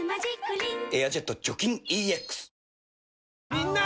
みんな！